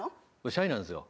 シャイなんすよ。